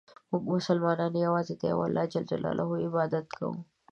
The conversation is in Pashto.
مونږ مسلمانان یوازې د یو الله ج عبادت کوو.